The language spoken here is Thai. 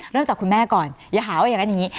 เริ่มจากคุณแม่ก่อนอย่าหาว่าอย่างนี้